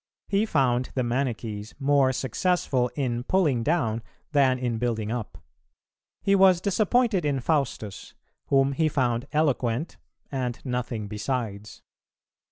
He found the Manichees more successful in pulling down than in building up; he was disappointed in Faustus, whom he found eloquent and nothing besides.